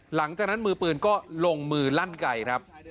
หลังจากนั้นมือปืนก็ลงมือลั่นไกลครับ